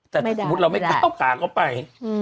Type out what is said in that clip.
แต่ถ้าสมมุติเราไม่ก้าวขาเข้าไป